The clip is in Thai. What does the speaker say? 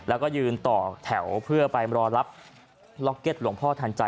แล้วก็ยืนต่อแถวเพื่อไปรอรับล็อกเก็ตหลวงพ่อทันใจ